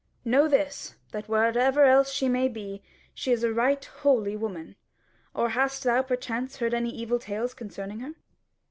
Know this, that whatever else she may be, she is a right holy woman. Or hast thou perchance heard any evil tales concerning her?"